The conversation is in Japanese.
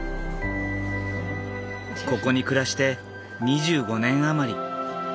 ここに暮らして２５年余り。